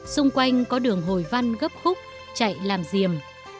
xung quanh có đường hồi văn gấp khúc chạy làm diềm